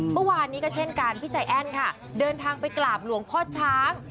เมื่อวานนี้ก็เช่นกันพี่ใจแอ้นค่ะเดินทางไปกราบหลวงพ่อช้าง